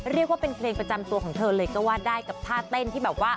เรียกว่าเป็นเพลงประจำตัวของเธอเลยก็ว่าได้กับท่าเต้นที่แบบว่า